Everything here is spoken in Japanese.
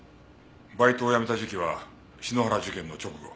バイトを辞めた時期は篠原事件の直後。